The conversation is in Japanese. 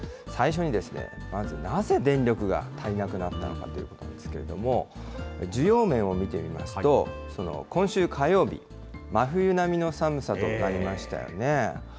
最初にまず、なぜ電力が足りなくなったのかということなんですけれども、需要面を見てみますと、今週火曜日、真冬並みの寒さとなりましたよね。